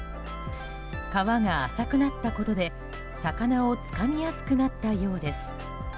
川が浅くなったことで、魚をつかみやすくなったようです。